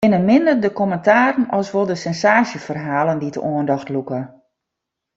It binne minder de kommentaren as wol de sensaasjeferhalen dy't de oandacht lûke.